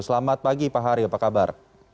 selamat pagi pak hari apa kabar